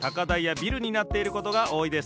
ビルになっていることがおおいです。